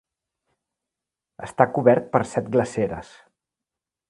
Està cobert per set glaceres.